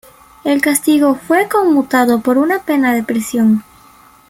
El castigo fue conmutada por una pena de prisión.